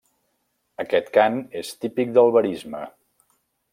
Aquest cant és típic del verisme.